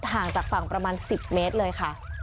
ห่างจากฝั่งประมาณ๑๐เมตรเลยค่ะ